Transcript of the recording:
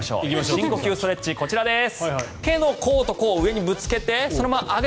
深呼吸ストレッチ、こちらです。